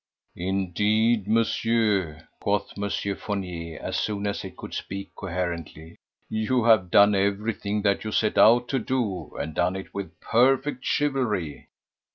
"Indeed, Monsieur," quoth Monsieur Fournier as soon as he could speak coherently, "you have done everything that you set out to do and done it with perfect chivalry.